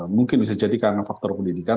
mungkin bisa jadi karena faktor pendidikan